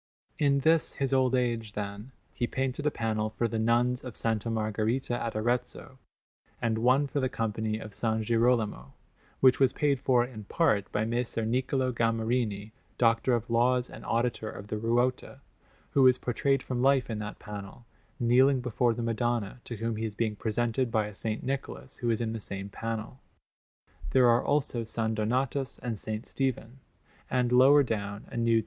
In this his old age, then, he painted a panel for the Nuns of S. Margherita at Arezzo, and one for the Company of S. Girolamo, which was paid for in part by Messer Niccolò Gamurrini, Doctor of Laws and Auditor of the Ruota, who is portrayed from life in that panel, kneeling before the Madonna, to whom he is being presented by a S. Nicholas who is in the same panel; there are also S. Donatus and S. Stephen, and lower down a nude S.